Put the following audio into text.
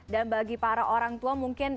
dan bagi para orang tua mungkin